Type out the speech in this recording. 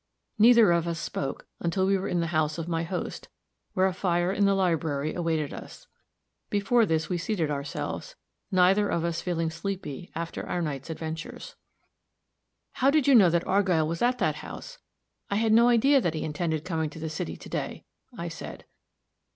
Neither of us spoke until we were in the house of my host, where a fire in the library awaited us. Before this we seated ourselves, neither of us feeling sleepy after our night's adventures. "How did you know that Argyll was at that house? I had no idea that he intended coming to the city to day," I said.